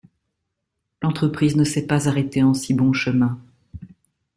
L'entreprise ne s'est pas arrêtée en si bon chemin.